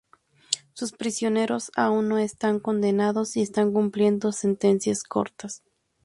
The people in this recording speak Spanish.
Sus prisioneros aún no están condenados y están cumpliendo sentencias cortas.